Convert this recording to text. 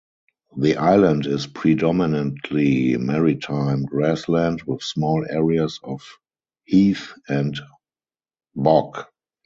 The island is predominantly maritime grassland with small areas of heath and bog.